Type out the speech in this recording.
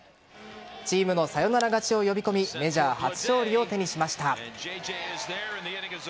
チームのサヨナラ勝ちを呼び込みメジャー初勝利を手にしました。